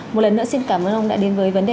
một lần nữa xin cảm ơn ông đã đến với vấn đề